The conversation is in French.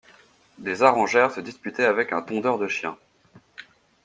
Des harengères se disputaient avec un tondeur de chiens.